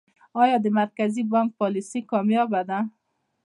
آیا د مرکزي بانک پالیسي کامیابه ده؟